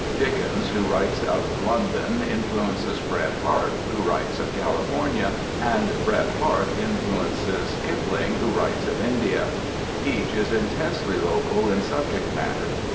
Dickens, who writes of London, influences Bret Harte, who writes of California, and Bret Harte influences Kipling, who writes of India. Each is intensely local in subject matter.